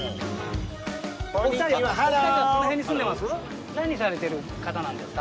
お二人はこの辺に住んでます？